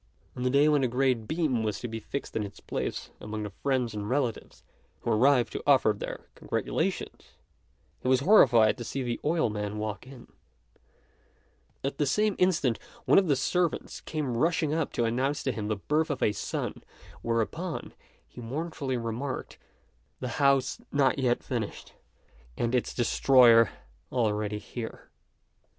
On the day when the great beam was to be fixed in its place, among the friends and relatives who arrived to offer their congratulations, he was horrified to see the oilman walk in. At the same instant one of the servants came rushing up to announce to him the birth of a son; whereupon, he mournfully remarked, "The house not yet finished, and its destroyer already here."